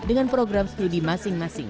dengan program studi masing masing